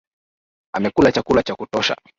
Amekula chakula cha kutosha